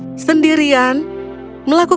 dia memiliki kekuatan yang sangat kuat